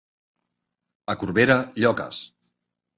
A Corbera, lloques.